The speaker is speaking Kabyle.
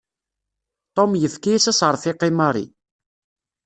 Tom yefka-yas aseṛfiq i Mary.